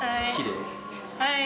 はい。